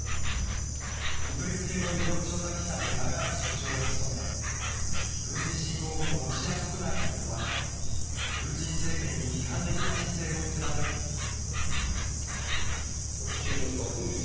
独立系の世論調査機関で長らく所長を務め、軍事侵攻後もロシア国内にとどまり、プーチン政権に批判的な姿勢を貫いています。